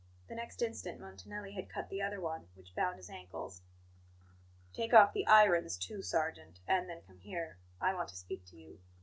The next instant Montanelli had cut the other one, which bound his ankles. "Take off the irons, too, sergeant; and then come here. I want to speak to you."